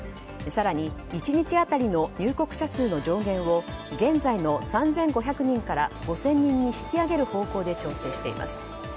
更に１日当たりの入国者数の上限を現在の３５００人から５０００人に引き上げる方向で調整しています。